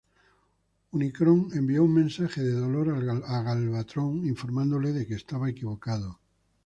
Unicron envió un mensaje de dolor a Galvatron, informándole de que estaba equivocado.